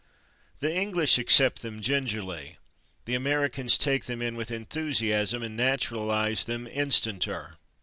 The English accept them gingerly; the Americans take them in with enthusiasm, and naturalize them instanter.